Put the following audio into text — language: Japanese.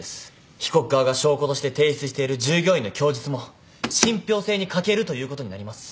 被告側が証拠として提出している従業員の供述も信ぴょう性に欠けるということになります。